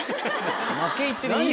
負け１でいいよな。